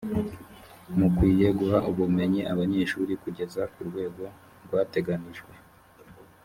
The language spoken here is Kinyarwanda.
mukwiye guha ubumenyi abanyeshuri kugeza ku rwego rwateganijwe